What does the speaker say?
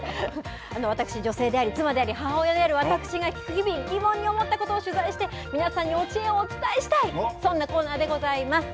私、女性であり、妻であり、母親である私が日々、疑問に思ったことを取材して、皆さんにお知恵をお伝えしたい、そんなコーナーでございます。